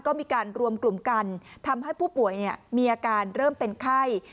ก็มีการรวมกลุ่มกันทำให้ผู้ป่วยมีอาการเริ่มเป็นไข้